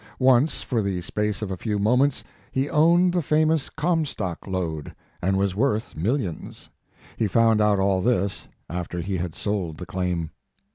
Once for the space of a few moments, he owned the famous Comstock lode, and was worth millions. He found out all this after he had sold the claim.